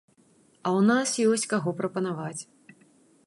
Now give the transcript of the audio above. А ў нас ёсць каго прапанаваць.